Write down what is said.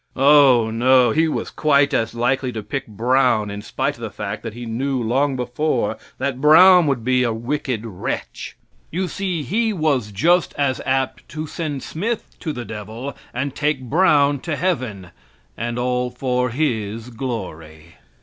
Oh, no! He was quite as likely to pick Brown, in spite of the fact that He knew long before that Brown would be a wicked wretch. You see He was just as apt to send Smith to the devil and take Brown to heaven and all for "His glory."